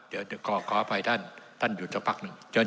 เดี๋ยวขออภัยท่านท่านหยุดสักพักหนึ่ง